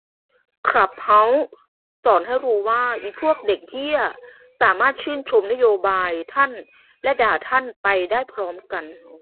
คลับเฮ้าส์สอนให้รูว่า อิพวกเด็กเหี้ยสามารถชื่นชมนโยบายทั่นและด่าท่านไปได้พร้อมกัน